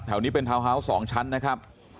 แถวนี้เป็นทาวน์ฮาวส์๒ชั้นนะครับ